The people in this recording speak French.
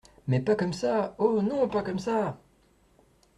Mais pas comme ça ! oh ! non ! pas comme ça !